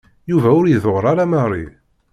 Yuba ur iḍuṛṛ ara Mary.